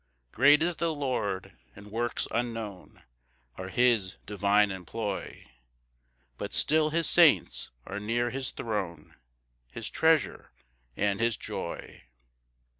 2 Great is the Lord; and works unknown Are his divine employ; But still his saints are near his throne, His treasure and his joy.